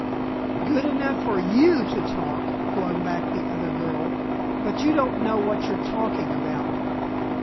"Good enough for you to talk," flung back the other girl. "But you don't know what you're talking about."